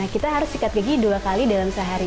kita harus sikat gigi dua kali dalam sehari